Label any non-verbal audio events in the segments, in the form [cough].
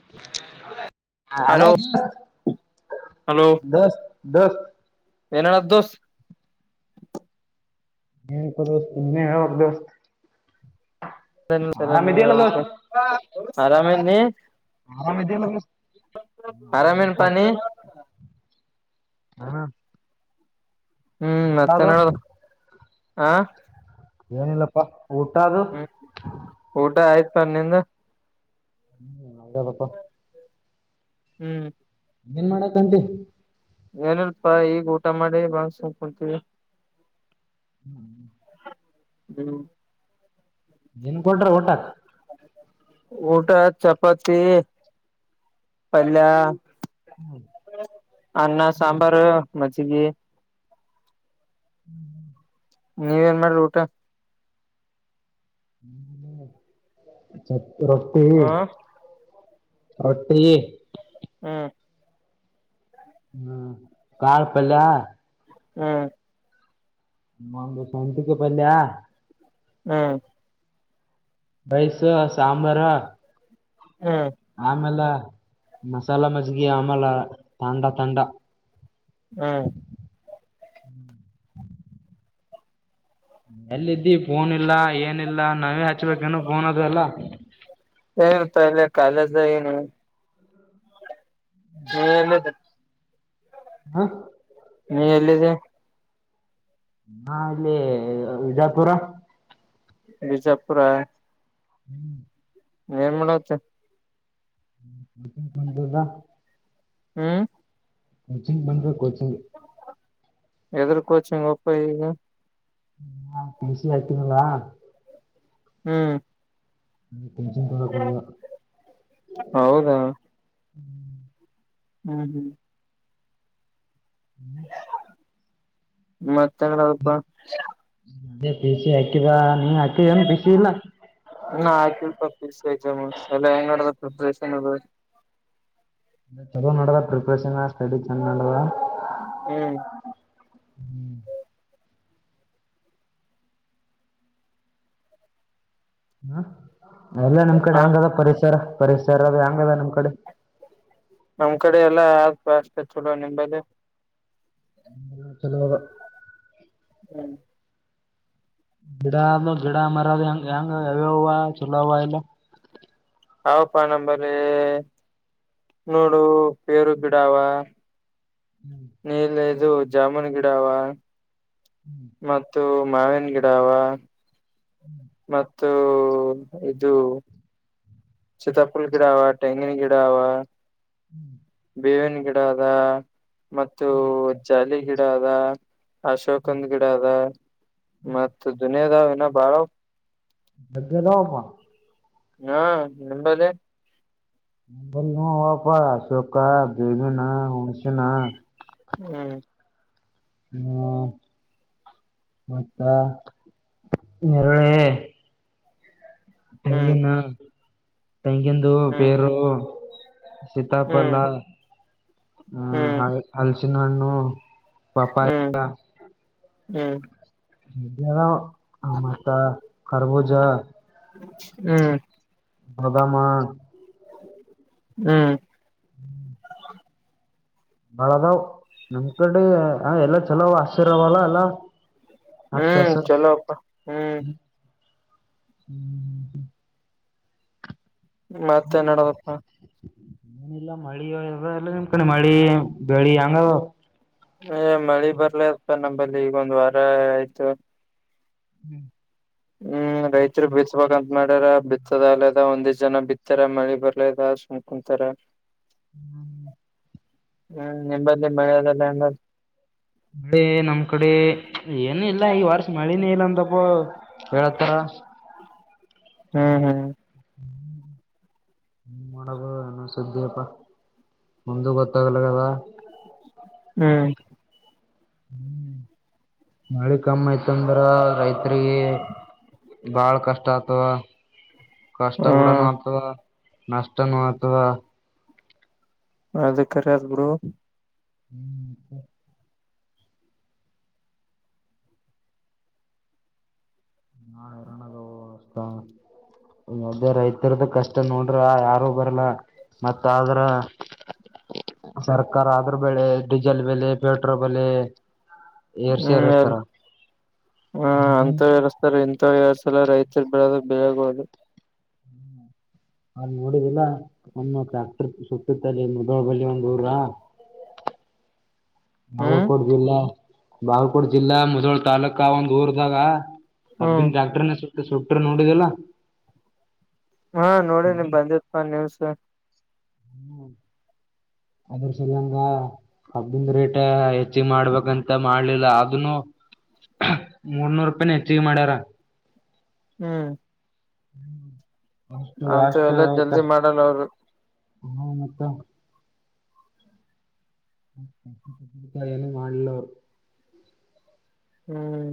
[inaudible] ಹಾ ಹಲೋ ದೋಸ್ತ. ದೋಸ್ತ್. ಏನೇನ ಆತ ದೋಸ್ತ್. ಏನಿಲ್ಲಪ್ಪ ದೋಸ್ತ ನೀನೇ ಹೇಳಬೇಕು ದೋಸ್ತ. [inaudible] ನಿ ನೀ ಆರಾಮ. ಹ. ಆರಾಮದ್ದೀನಿ ದೋಸ್ತ ಆರಾಮ್ ಆರಾಮೇನ್ ಇದಿನಪ್ಪ. ಪಾನಿ ಹ್ಮ. ಹ್ಮ ಮತ್ತೆನ ನಡದದ. ಹಾ. ಏನಿಲ್ಲಪ್ಪಾ. ಊಟ ಅದು. [inaudible] ನಿಂದ. ಹ್ಮ್ ಆಗಿದಪ್ಪ. ಹ್ಮ್. ಏನ್ ಮಾಡಕಂತಿ. ಏನಲ್ಪಾ ಈಗ್ ಊಟ ಮಾಡಿ ಬಾ ಸುಮ್ಮ ಕುಂತೇವಿ. ಹ್ಮ್. ಹ್ಮ್. ಏನ್ ಕೊಟ್ರ ಟತ್ ಊಟ ಚಪಾತಿ ಪಲ್ಯ ಅನ್ನ ಸಾಂಬಾರ ಮೆ ಸಿಗೆ ಹ್ಮ್ ನೀವೇನ್ ಮಾಡ್ರಿ ಊಟ ಹ್ಮ ರೊಟ್ಟಿ ಹ ರೋಟ್ಟಿ ಹ್ಮ್ ಹ್ಮ್ ಕಾಳ ಪಲ್ಯ ಹ್ಮ್ ಮ್ಮ ದಸ ಎಂತಕಪ್ಪಲಯಾ ಹ್ಮ ರೈಸ್ಸ ಸಾಂಬಾರಾ ಹ್ಮ್ ಆಮೇಲೆ ಮಸಾಲ ಮಜ್ಗಿ ಆಮಲ ತಾಂಡ ತಾಂಡ ಹ್ಮ ಎಲ್ಲಿದ್ದಿ ಫೋನ್ ಇಲ್ಲ ಏನಿಲ್ಲ ನಾವೇ ಹಚ್ಬೇಕೇನು ಫೋನ್ ಅದು ಎಲ್ಲ ಏ ಪ ಅಲ್ಲ ಕಾಲಜ ನು ಹ್ಮ ಎಲ್ಲದ ಹಾ ನೀ ಎಲ್ಲಿದೆ ಹಾ ಇಲ್ಲಿ ವಿಜಾಪುರ ವಿಜಾಪುರ ಹ್ಮ್ ನಿರ್ಮಳ ಆತ್ತು ದ ಹ್ಮ್ ಕೋಚಿಂಗ್ ಬಂದ್ರೆ ಕಿಂಗ್ ಹು ಎದ್ರ ಕೋಚಿಂಗ್ ಒಪ್ಪ ಈಗ ಹ ಪಸಿ ಆತೀನಾ ಹ್ಮ್ ಹ್ಮ್ ಷನ್ ತಡ ಕೊನ ಹೌದಾ ಹ್ಮ್ ಹ್ಮ್ ಹ್ಮ್ ಮತ್ತ ಂಗಪ್ಪ ಅ ಪಿಸಿಿ ಆಕ್ಿಿವ ನೀ ಅಕೆ ಏನು ಪಿಸಿ ಇಲ್ಲ ಎಾಮ್ ಎಲ್ಲ ಹೆಂಗ್ ನಡ್ಡದ ಪ್ರಿಪರೇಷನ್ ಅದು ಚಲೋ ನಡ್ಡದ ಪ್ರಿಪ್ರೇಷನ್ ಸ್ಟಡಿ ಚಂದ ನಡ್ಡದ ಹ್ಮ್ ಹ್ಮ್ ಹಾ ಎಲ್ಲಾ ನಮ್ ಕಡೆ ಹ ಹಂಗ ಅದ ಪರಿಸರ ಪರಿಸರದ ಹಂಗದ ನಮ್ ಕಡೆ ನಮ್ ಕಡೆ ಎಲ್ಲಾ ಆಗ್ ಅಷ್ಟೆ ಚಲೋ ನಿಂಬಲ್ಲಿ ಹ ಚಲೋ ಹ್ಮ್ ಗಿಡ ಗಿಡ ಮರದ ಹೆಂಗ ಹೆಂಗ ಹ ಚಲವ ಇಲ್ಲ ಅವಪ್ಪ ನಂಬಲ್ಲಿ ನೋಡು ಪೇರು ಗಿಡಾವ ನೀಲ್ಲ ಇದು ಜಾಮೂನ ಗಿಡವ ಮತ್ತು ಮಾವಿನ ಗಿಡವ ಮತ್ತು ಇದು ಸೀತಾಫುಲ್ ಗಿಡಾವ ಟೇಂಗಿನಿ ಕಿಡಾವ ಹ್ಮ್ ಬೇವಿನ ಗಿಡ ಅದ ಮತ್ತು ಜಾಲಿ ಗಿಡ ಅದ ಅಶೋಕ್ದ್ ಗಿಡ ಅದ ಮತ್ತದು ದಾವ ಇನ ಬಾಳಾವ ಮ ನಮ್ಮ ಹಾ ನಿಂಬಲ್ಲಿ ಹಪ ಸುಕ್ಕಾ ಬೇವಿನ ಹುನ್ಷಿನ ಹ್ಮ್ ಹ್ಮ್ ಮತ್ತ ನೆರಳ ಹ್ಮ್ ತಂಗಿನ ತೈಂಗೆಂದು ಹ್ಮ್ ಪೇರ ಸೀತಾಪಲ ಹ್ಮ್ ಹ್ಮ್ ಹಾ ಹಲ್ಸ ಚಿನಣ್ಣು ಹ್ಮ್ ಹ್ಮ್ ಮತ್ತ ಕರಬೂಜ ಹ್ಮ್ ಹದಾಮ ಹ್ಮ್ ಹ್ಮ್ ಹ ಬಳದಾವ್ ನಿಮ್ ಕಡೆ ಎಲ್ಲ ಚಲೋ ಆಶ್ಚರ್ಯವಲ್ಲ ಎಲ್ಲ ಹ್ಮ್ ಚಲೋ ಅಪ್ಪ ಹ್ಮ್ ಹ್ಮ್ ಹ್ಮ್ ಹ್ಮ್ ಮತ್ತೆ ನಡದಪ್ಪಾ ಮನಲ್ಲ ಮಳಿ ಎಲ್ಲ ನಿಕಣಿ ಮಳಿ ಗಳ ಯಂಗ ಮಳಿ ಬರ್ಲಪ್ಪ ನಂಬಲ್ಲಿ ಈಗ ಒಂದ್ ವಾರ ಆಯ್ತು ಹ್ಮ್ ಹ್ಮ್ ರೈತರು ಬಿತ್ಬೇಕಕ್ಂತ ಮಾಡ್ಯಾರ ಬಿತ್ತದಲದ ಒಂದಿಜ್ ಜನ ಬಿತ್ತಾರ ಮಳಿ ಬರ್ಲದ ಸುಂಕಂತಾರ ಹ್ಮ್ ಹ್ಮ್ ನಿಂಬಲ್ಲಿ ಮಳೆದಲ್ಲ ಎಂಬ ಮಳೆ ನಮ್ ಕಡೆ ಏನು ಇಲ್ಲ ಈ ವಾರ್ಷ ಮಳೆನೇ ಇಲ್ಲಂತ ಪ್ಪ ಹೇಳತಾರ ಹ್ಮ್ ಹ್ಮ್ ಮಾಡಬ ಏನ ಸುದ್ದಿಿಯಪ್ಪಾ ಮುಂದ ಗೊತ್ತಾಗಲ್ಲ ಕದ ಹ್ಮ್ ಹ್ಮ್ ಮಳೆ ಕಮ್ಮ ಆಯ್ತ ಅಂದ್ರ ರೈತರಿಗೆ ಬಾಳ್ ಕಷ್ಟ ಆತವಾ ಕಷ್ಟ ಹ ಕೂಡನು ಆಗ್ತದ ನಷ್ಟನು ಆತದ ಅದ ಕರದ್ಬರು ಹ್ಮ್ ನಾ ಎರ ಅಷ್ಟದೇ ರೈತರ್ದ ಕಷ್ಟ ನೋಡ್ರ ಯಾರು ಬರ್ಲ್ಲ ಮತ್ತ ಆದ್ರ ಸರ್ಕಾರ ಆದ್ರ ಬೆಳೆ ಡೀಸೆಲ್ ಬೆಲೆ ಪೆಟ್ರೋಲ್ ಬೆಲೆ ಏರ್ಸಿ ಹ್ಮ್ ಯಾರ ಏರಸ್ತಾರ ಹ್ಮ ಹ್ಮ್ ಅಂತ ಎಸ್ತಾರೆ ಎ ಇ ಎಡ್ ಸಲ ರೈತರು ಬಿಡದ ಬೆಳಗೋುದು ಅಲ್ ನೋಡಿದಿಲ್ಲ ಒಮ್ಮ ಸುತ್ತುತ್ತಲ್ಲಿ ಮುದಳಬಲ್ಲಿ ಒಂದಂದು್ ಊರ ನವು ಹ್ಮ್ ಕೊಡ್್ದಿಲ್ಲ ಬಾಗಕೋಡ್ ಜಿಲ್ಲಾ ಮುಜೋಳ ತಾಾಲೂಕ ಒಂದ್ ಊರದಾಗ ಹ್ಮ್ ಹಬ್ಬಿನ್ ಡಾಕ್ಟರ್ನ ಸುಟ್ರ ನೋಡಿದಲ್ಲ ಹಾ ನೋಡಿ ನಿಮ್ ಬಂದಿತ್ ನಿವ್ ಸ ಅದ್ರ ಸರಿಂಗ ಹದ್ದಿಂದ ರೇಟ್ ಹೆಚ್ಚಿಗೆ ಮಾಡ್ಬೇಕಂತ ಮಾಡ್ಲಿಲ್ಲ ಅನು ಮೂರ್ನೂರ್ ರೂಪಿನ ಹೆಚ್ಚಿಗೆ ಮಾಡ್ಯಾರ ಹ್ಮ್ ಹ್ಮ [inaudible] ಅಂತೂ ಎಲ್ಲ ಜಲ್ದಿ ಮಾಡಲ್ಲ ಅವರು ಹ್ಮ ಮತ್ತ ನ ಮಾಡಲ್ಲೋರು ಹ್ಮ್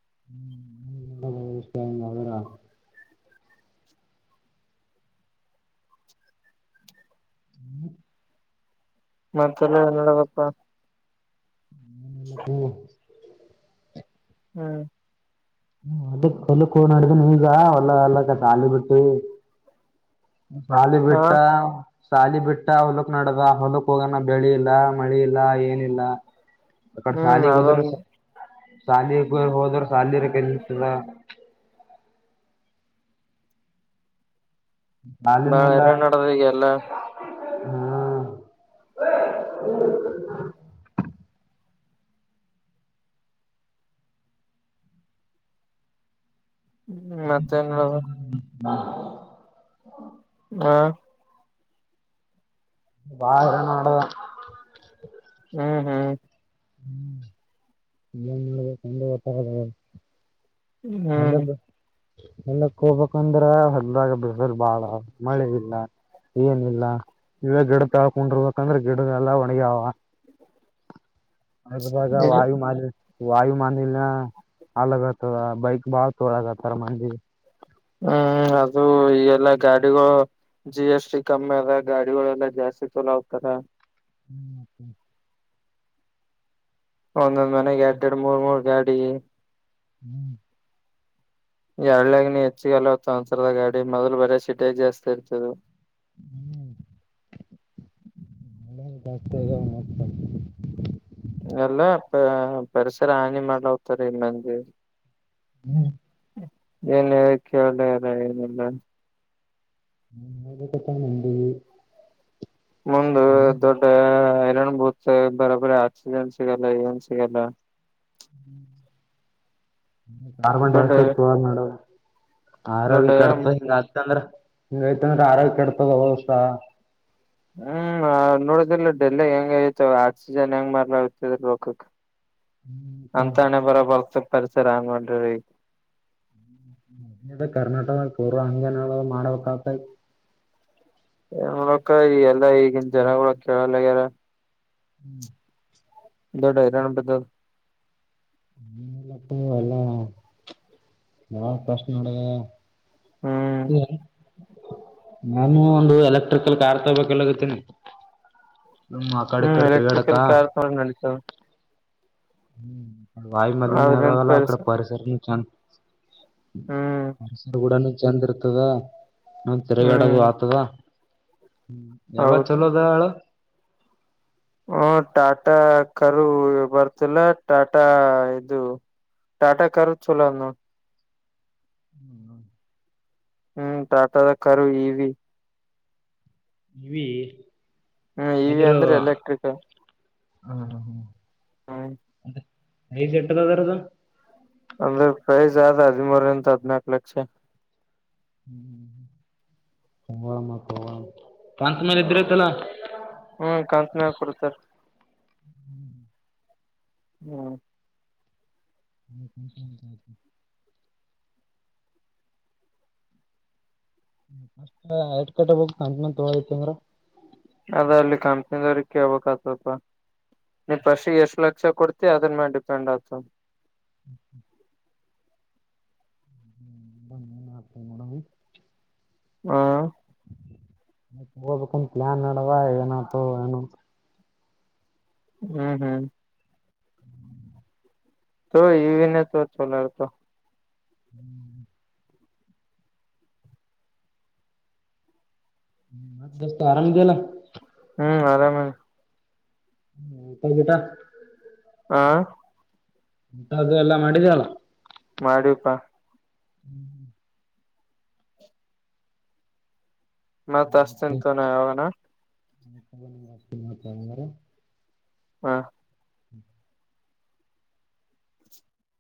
ಹ್ಮರ [unintelligible] ಹ್ಮ್ ಮತ್ತೆಲ್ಲ ನೋಡಬೇಕಪ್ಪಾ ಏನಿಲ್ಲಪ್ಪ ಹ್ಮ್ ಹೊಕ್ ಹೊಲಕ್ ಹೋ ನಾಡಿದನೆ ಈಗ ಹೊಲ್ಲ ಎಲ್ಲಕಾಲಿ ಬಿಟ್ಟಿ ಪಾಲಿ ಹಾ ಬೆಟ್ಟ ಸಾಲಿ ಬಿಟ್ಟ ಹೊಲಕ್ ನಡದ ಹೊಲಕ್ ಹೋಗಣ ಬೆಳಿ ಇಲ್ಲ ಮಳಿ ಇಲ್ಲ ಏನಿಲ್ಲ ಹ್ಮ್ ಅದೊಂದು ಶಾಲಿ ಹೋದ್ರ ಶಾಲರ ಕೆ ಎನ್ತದ [unintelligible] ಸಾಲಿನೂ ಬಾರ ಇಲ್ಲ ನಡದ ಈಗೆ ಎಲ್ಲ ಹಾ [inaudible] ಹ್ಮ್ ಮತ್ತೇನ [unintelligible] ಹಾ [inaudible] ಹಾ [inaudible] ಬಾ ನ ಮಾಡದಾ ಹ್ಮ್ ಹ್ಮ್ ಹ್ಮತ [unintelligible] ಹ್ಮ್ ಎಲ್ಲಕ್ಕ ಹೋಗ್ಬೇಕಂದ್ರ ಹದ್ದಾಗ ಬಡಲ್ ಬಾಳ ಮಳೆ ಇಲ್ಲ ಏನಿಲ್ಲ ಇವಾಗ ಗಿಡ ತಾಳ್ಕೊಂಡಿರ್ಬೇಕಂದ್ರೆ ಗಿಡ ಎಲ್ಲ ಒಣಗಾವ ಅದ್ರಾಗ ಈಗ ವಾಯು ಮಾಲಿನ್ಯ ವಾಯು ಮಾಲಿನ್ಯ ಅಲಗತದ ಬೈಕ್ ಬಾಳ ತೋಳಗತಾರ ಮಂದಿ ಹ್ಮ್ ಅದು ಈಗೆಲ್ಲಾ ಗಾಡಿಗಳು ಜಿ ಎಸ್ ಟಿ ಕಮ್ಮಿ ಅದ ಗಾಡಿಗಳೆಲ್ಲಾ ಜಾಸ್ತಿ ಚಲೋ ಹೋಗ್ತಾರ ಹ್ಮ್ ಮತ್ತೆ [inaudible] ಒಂದೊಂದ್ ಮನೆಗೆ ಎಡ್ ದಡ್ ಮೂರ್ ಮೂರ್ ಗಾಡಿ ಹ್ಮ್ [inaudible] ಎರಳ್ಳಗ ನೀ [unintelligible] ಹೆಚ್ಚಗಲವತ್ತು ಒಸರದ ಗಾಡಿ ಮೊದ್ಲು ಬರ ಶೀಟೇಜ್ ಜಾಸ್ತಿ ಇರ್ತದು ಹ್ಮ ಬತ ಇತ [unintelligible] ಎಲ್ಲ ಪರಿಸರ ಹಾನಿ ಮಾಡ್ಲೋಗ್ತಾರ ಮಂದಿ ಹ್ಮ್ [inaudible] ಏನ್ ಹೇಳಕ್ಕೆ ಒಳ್ಳಲ್ಲ ಏನೆಲ್ಲ [unintelligible] ಕ್ಕೆ ತಟ [unintelligible] ಮುಂದು ದೊಡ್ಡ ಕ ಬೂತ ಬರರಿ ಆಕ್ಸಿಜನ್ ಸಿಗಲ್ಲ ಏನ್ ಸಿಗಲ್ಲ ಹ್ಮ್ [inaudible] ಕಾರ್ಬನ್ ದೊಡ್ಡ ಡೈಆಕ್ಸೈಡ್ ಸವಾಲ್ ಮಾಡ ದೊಡ್ಡ ಆರೋಗ್ಯ ಕಡತ ಹಿಂಗ ಆಗ್ತಂದ್ರ ಹಂಗೈತಂದ್ರೆ ಆರೋಗ್ಯ ಕೆಡತದ ಅವ ವರ್ಷ ಹ್ಮ್ ನೋಡದಿಲ್ಲ ಡೆಲ್ಲ ಹೆಂಗ ಆಐತ ಆಕ್ಸಿಜನ್ ಹೆಂಗ್ ಮಾರ್ಲ ಆತದ ಲಕಕ್ [unintelligible] ಅಂತಣೆ ಬರ ಬರ್ತ ಪರಿಸರಿಸರಂಗೊಂಡ ರ [unintelligible] ಕರ್ನಾಟಕ ಕೋರ್ ಹಂಗೇನ ಮಾಡ್ಬೇಕ ಆಗ್ತೈ ಏ ನೋಡಕ್ಕ ಈ ಎಲ್ಲಾ ಈಗಿನ ಜನಗಳ ಕೇಳಲ್ಲಗ್ಯಾರ ಹ್ಮ್ [inaudible] ದೊಡ್ಡ ಹರಾಣ ಬದ [inaudible] ಹ್ಮಲ್ಲಪ್ಪ ಎಲ್ಲ ನಾವ ಪ್ರಶ್ನೆ ಮಾಡ [unintelligible] ಹ್ಮ್ ಇದು ನಾನು ಒಂದು ಎಲೆಕ್ಟ್ರಿಕಲ್ ಕಾರ್ ತಗಬೇಕಲ್ಲಗತ್ತೇನಿ ಹ್ಮ್ ಎಲೆಕ್ಟ್ರಿಕಲ್ ಕಾರ್ ನೋಡ ನಡೀತವೆ ಹ್ಮ್ ವಾಯ ಅದ್ರಂತ ಮಲ್ಲಿನಾಗಲ್ಲ ಪರ್ಸ ಅಕ್ಕಡ ಪರಿಸರ ನಿ ಚ ಹ್ಮ್ ಕೂಡ ಚಂದ ಇರ್ತದ ನಾ ತೆರಗಾಡದು ಹ್ಮ್ ಆತದ ಹ್ಮ ಎಾವ ಹೌದು ಚಲೋ ದಯಳೋ ಹ್ಮ ಟಾಟಾ ಕಾರರು ಬರ್ತಿಲ್ಲ ಟಾಟಾ ಇದು ಟಾಟಾ ಕರು ಚಲೋನು ಹ್ಮ್ ಟಾಟಾದ ಕಾರರು ಈವಿ ಇವಿ ಹ್ಮ್ ಇವಿ ಅಂದ್ರೆ ಎಲೆಕ್ಟ್ರಕ್ ಹ್ಮ ಹ್ಮ ಅ ನೀ ಶಟ್ಟದಾದರದು ಅಂದ್ರ ಪ್ರೈಸ್ ಆದ ಹದಿಮೂರರಿಂತ ಹದಿನಕು ಲಕ್ಷ ಹ್ಮ್ ಸವಾಮವ ಹ್ಮ ಹ್ಮ್ ಕಾಂತನ ಕೊಡ್ತಾರ ಹ್ಮ್ ಚ ಕ ಎಟ್ ಕಟ್ಟ ಹೋಗ ನ ಮ ತೊಳತಿ ಅಂದ್ರ ಅದ ಅಲ್ಲಿ ಕಂಪ್ನಿ ದವ್ರ ಕೇಬೇಕಕ್ ಆತಪ ನೀ ಫಸ್ಗೆ ಎಷ್ಟ್ ಲಕ್ಷ ಕೊಡ್ತಿ ಅದ್ರ ಮೇಲೆ ಡಿಪೆಂಡ್ ಆತ ಹ್ಮ್ ಬ ನಾಗ ಹಾ ತಗೋಬೇಕಂತ ಪ್ಲ್ಯಾನ್ ನಡವಾ ಏನತು ಏನು ಹ್ಮ್ ಹ್ಮ್ [unintelligible] ಹ್ಮ್ ದೋಸ್ತ ಆರಾಮ್ ಅದಿ ಅಲ್ಲ ಹ್ಮ್ ಆರಾಮ ಊಟ ಗಿಟಾ ಹಾ ಊಟ ಅದು ಎಲ್ಲ ಮಾಡಿದೇಲ್ಲ ಮಾಡಿವ್ಪಾ [inaudible] ಮತ್ ಹಚ್ತೀನಿ ತೋ ಯವಾಗನ [inaudible] ಹಾ